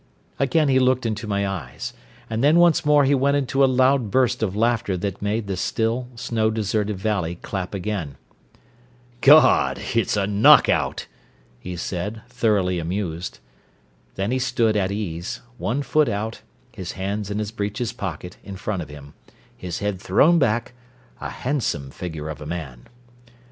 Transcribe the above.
Again he looked into my eyes. And then once more he went into a loud burst of laughter that made the still, snow deserted valley clap again. "God, it's a knockout!" he said, thoroughly amused. Then he stood at ease, one foot out, his hands in his breeches pocket, in front of him, his head thrown back, a handsome figure of a man.